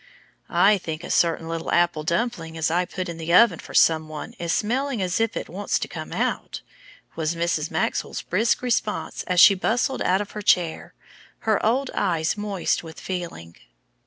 "I think a certain little apple dumpling as I put in the oven for some one is smelling as if it wants to come out," was Mrs. Maxwell's brisk response as she bustled out of her chair, her old eyes moist with feeling.